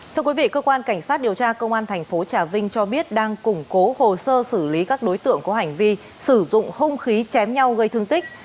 thưa quý vị cơ quan cảnh sát điều tra công an thành phố trà vinh cho biết đang củng cố hồ sơ xử lý các đối tượng có hành vi sử dụng hung khí chém nhau gây thương tích